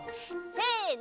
せの！